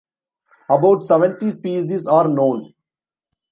About seventy species are known.